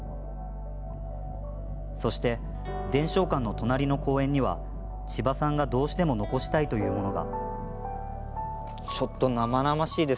そして伝承館の隣の公園には千葉さんがどうしても残したいというものが。